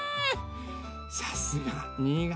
さすが新潟！